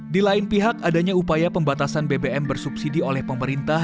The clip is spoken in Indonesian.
di lain pihak adanya upaya pembatasan bbm bersubsidi oleh pemerintah